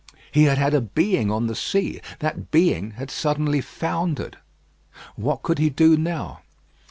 He had had a being on the sea; that being had suddenly foundered. What could he do now?